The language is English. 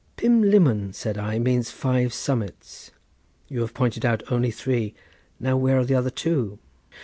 "Pumlummon," said I, "means five summits. You have pointed out only three—now, where are the other two?"